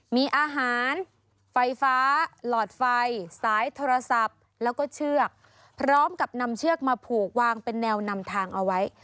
มีอาหารไฟฟ้าหลอดไฟสายโทรศัพท์แล้วก็เชือกพร้อมกับนำเชือกมาผูกวางเป็นแนวนำทางเอาไว้